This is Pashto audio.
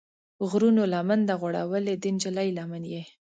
غرونو لمن ده غوړولې، د نجلۍ لمن یې